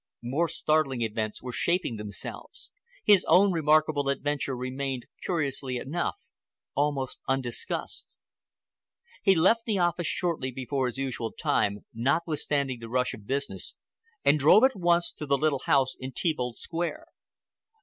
More startling events were shaping themselves. His own remarkable adventure remained, curiously enough, almost undiscussed. He left the office shortly before his usual time, notwithstanding the rush of business, and drove at once to the little house in Theobald Square.